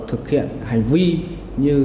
thực hiện hành vi như